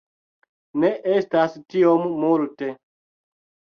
Ne estas tiom multe.